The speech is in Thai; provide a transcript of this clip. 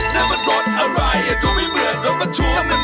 แสดงเชิงการต่อสู้ด้วยมวยไทย